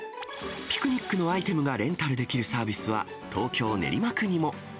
ピクニックのアイテムがレンタルできるサービスは、東京・練馬区にも。